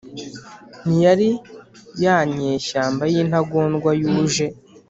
Ntiyari ya nyeshyamba y'intagondwa yuje